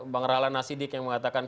bang rahlana siddiq yang mengatakan